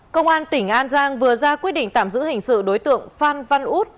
công an tỉnh an giang vừa ra quyết định tạm giữ hình sự đối tượng phan văn út